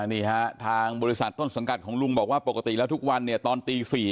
นี่ฮะทางบริษัทต้นสังกัดของลุงบอกว่าปกติแล้วทุกวันเนี่ยตอนตี๔